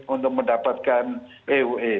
untuk mendapatkan eoe